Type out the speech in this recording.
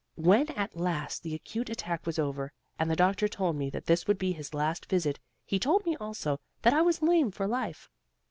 When at last the acute attack was over, and the doctor told me that this would be his last visit, he told me also that I was lame for life.